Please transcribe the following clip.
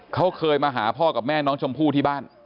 เขาเคยมาหาพ่อกับแม่น้องชมพู่ที่บ้าน